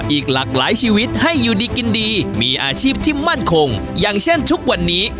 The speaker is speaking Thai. อีกหลากหลายชีวิตให้อยู่ดีกินดีมีอาชีพที่มั่นคงอย่างเช่นทุกวันนี้